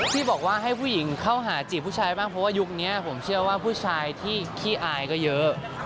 ที่บอกว่าให้ผู้หญิงเข้าหาจีบผู้ชายบ้างเพราะว่ายุคนี้ผมเชื่อว่าผู้ชายที่ขี้อายก็เยอะ